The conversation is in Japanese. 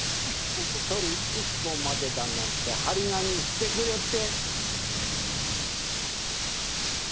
一人１個までだなんて張り紙してくれて。